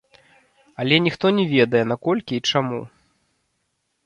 Але ніхто не ведае на колькі і чаму.